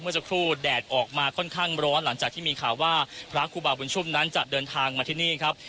สักครู่แดดออกมาค่อนข้างร้อนหลังจากที่มีข่าวว่าพระครูบาบุญชุมนั้นจะเดินทางมาที่นี่ครับ